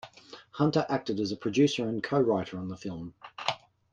Hunter acted as a producer and co-writer on the film.